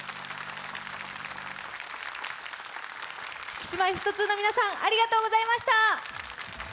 Ｋｉｓ−Ｍｙ−Ｆｔ２の皆さんありがとうございました。